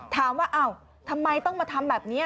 ถามว่าอ้าวทำไมต้องมาทำแบบนี้